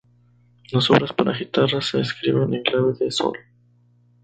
Las obras para guitarra se escriben en clave de sol.